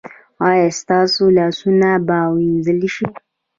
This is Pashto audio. ایا ستاسو لاسونه به وینځل شي؟